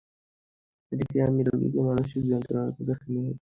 ওদিকে আমি রোগীদের মানসিক যন্ত্রণার কথা শুনে শুনে খানিকটা ক্লান্তই ছিলাম।